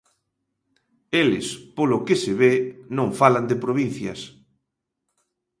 Eles, polo que se ve, non falan de provincias.